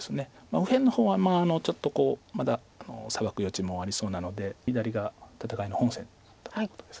右辺の方はちょっとまだサバく余地もありそうなので左が戦いの本線だっていうことです。